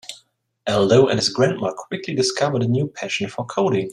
Aldo and his grandma quickly discovered a new passion for coding.